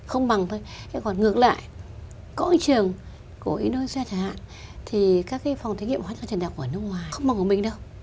không bằng thôi còn ngược lại có trường của indonesia chẳng hạn thì các phòng thí nghiệm hoặc các trần đạo của nước ngoài không bằng của mình đâu